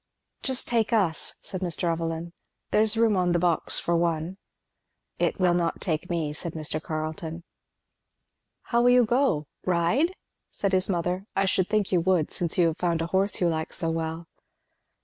"Just take us," said Mr. Evelyn. "There's room on the box for one." "It will not take me," said Mr. Carleton. "How will you go? ride?" said his mother "I should think you would, since you have found a horse you like so well."